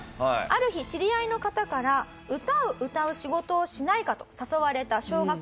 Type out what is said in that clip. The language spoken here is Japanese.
ある日知り合いの方から「歌を歌う仕事をしないか？」と誘われた小学生のミエさん。